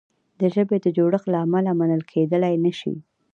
د ژبې د جوړښت له امله منل کیدلای نه شي.